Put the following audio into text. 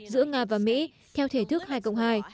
giữa nga và mỹ theo thể thức hai cộng hai